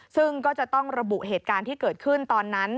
ซึ่งก็จะต้องระบุเหตุการณ์ที่เกิดขึ้นตอนนั้น